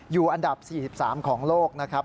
อยู่อันดับ๔๓ของโลกนะครับ